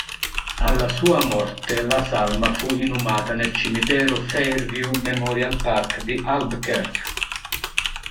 Alla sua morte la salma fu inumata nel cimitero Fairview Memorial Park di Albuquerque.